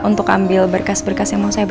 untuk ambil berkas berkas yang mau saya